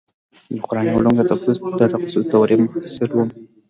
د قراني علومو د تخصص دورې محصل وم.